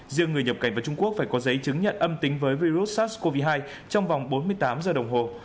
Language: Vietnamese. riêng người nhập cảnh vào trung quốc phải có giấy chứng nhận âm tính với virus sars cov hai trong vòng bốn mươi tám giờ đồng hồ